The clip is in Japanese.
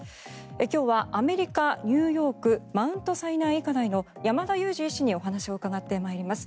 今日はアメリカ・ニューヨークマウントサイナイ医科大の山田悠史医師にお話を伺ってまいります。